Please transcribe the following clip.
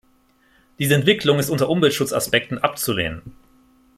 Diese Entwicklung ist unter Umweltschutzaspekten abzulehnen.